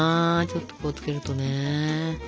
ちょっとこう付けるとね。